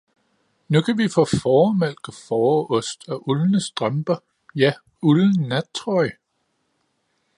Nu kan vi få fåremælk og fåreost og uldne strømper, ja, ulden nattrøje!